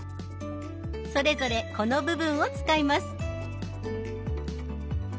それぞれこの部分を使います。